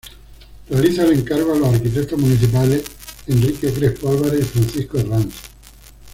Realiza el encargo a los arquitectos municipales Enrique Crespo Álvarez y Francisco Herranz.